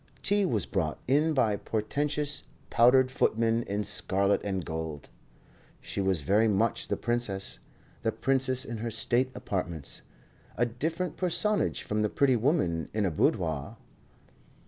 Tea was brought in by portentous, powdered footmen in scarlet and gold. She was very much the princess; the princess in her state apartments, a different personage from the pretty woman in a boudoir.